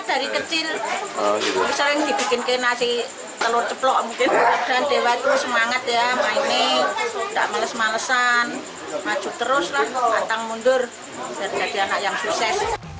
jadi gak males malesan maju terus lah mantang mundur jadi anak yang sukses